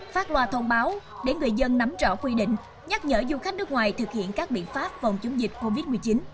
phát loa thông báo để người dân nắm rõ quy định nhắc nhở du khách nước ngoài thực hiện các biện pháp phòng chống dịch covid một mươi chín